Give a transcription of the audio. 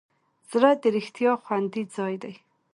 زړه د رښتیا خوندي ځای دی.